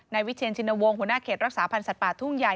วิเชียนชินวงศ์หัวหน้าเขตรักษาพันธ์สัตว์ป่าทุ่งใหญ่